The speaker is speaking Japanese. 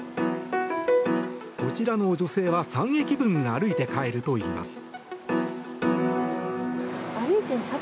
こちらの女性は３駅分歩いて帰るといいます。